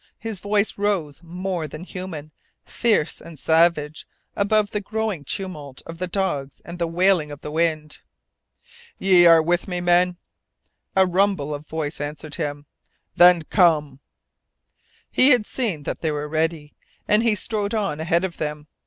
His voice rose more than human, fierce and savage, above the growing tumult of the dogs and the wailing of the wind. "Ye are with me, men?" A rumble of voice answered him. "Then come!" He had seen that they were ready, and he strode on ahead of them.